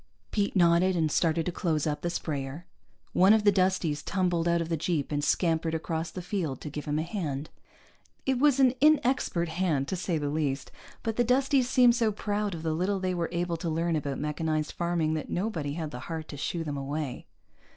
Pete nodded and started to close up the sprayer. One of the Dusties tumbled out of the jeep and scampered across the field to give him a hand. It was an inexpert hand to say the least, but the Dusties seemed so proud of the little they were able to learn about mechanized farming that nobody had the heart to shoo them away.